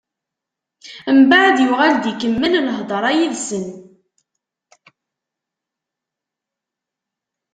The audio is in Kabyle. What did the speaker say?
Mbeɛd yuɣal-d ikemmel lhedṛa yid-sen.